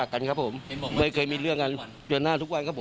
ก็ครับเดิมขายทางหน้าทุกวันครับ